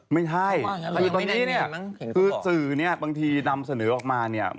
ไม่ใช่คือตอนนี้เนี่ยคือสื่อเนี่ยบางทีนำเสนอออกมาเนี่ย